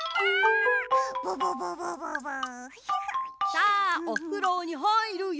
さあおふろにはいるよ。